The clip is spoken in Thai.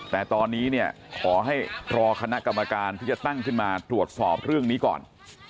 แต่ตอนนี้เนี่ยขอให้รอคณะกรรมการที่จะตั้งขึ้นมาตรวจสอบเรื่องนี้ก่อน